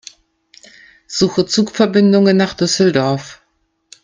Suche Zugverbindungen nach Düsseldorf.